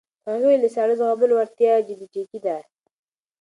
هغې وویل د ساړه زغملو وړتیا جینیټیکي ده.